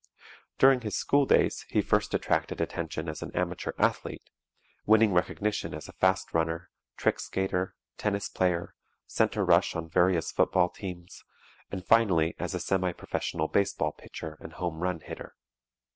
During his school days he first attracted attention as an amateur athlete, winning recognition as a fast runner, trick skater, tennis player, center rush on various football teams, and finally as a semi professional baseball pitcher and home run hitter.